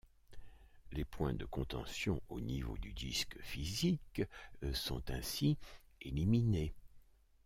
Les points de contention au niveau du disque physique sont ainsi éliminés.